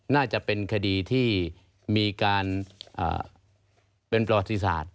น่าจะเป็นคดีที่มีการเป็นประวัติศาสตร์